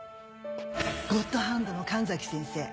ゴッドハンドの神崎先生